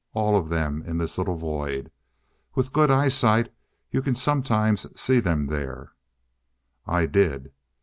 All of them in this little void. With good eyesight, you can sometimes see them there " "I did."